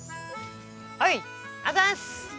おいあざっす！